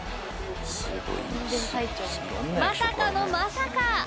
まさかのまさか！